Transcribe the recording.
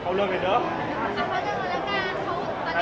เอาเรื่องใหญ่แหละ